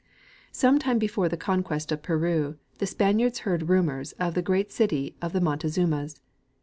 Some time before the conquest of Peru, the Spaniards heard rumors of the great city of the Montezumas.